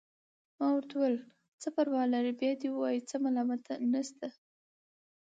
ما ورته وویل: څه پروا لري، بیا دې ووايي، څه ملامتیا نشته.